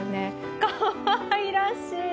かわいらしい。